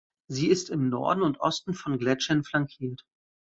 Sie ist im Norden und Osten von Gletschern flankiert.